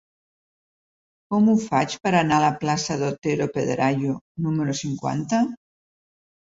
Com ho faig per anar a la plaça d'Otero Pedrayo número cinquanta?